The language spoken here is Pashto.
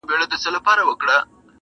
شیطان قوي دی د ملایانو -